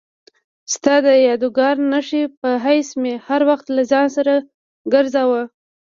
ستا د یادګار نښې په حیث مې هر وخت له ځان سره ګرځاوه.